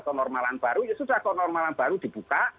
kenormalan baru ya sudah kenormalan baru dibuka